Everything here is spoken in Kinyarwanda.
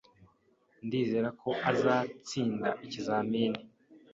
Ndizera ko azatsinda ikizamini